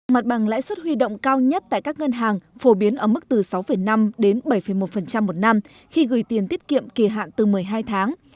mặt bằng lãi suất huy động cao nhất tại các ngân hàng phổ biến ở mức từ sáu năm đến bảy một một năm khi gửi tiền tiết kiệm kỳ hạn từ một mươi hai tháng